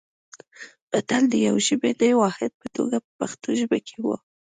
متل د یوه ژبني واحد په توګه په پښتو ژبه کې و